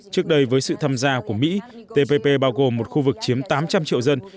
trước đây với sự tham gia của mỹ tpp bao gồm một khu vực chiếm tám trăm linh triệu dân